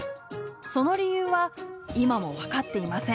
その理由は今も分かっていません。